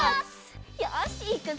よしいくぞ！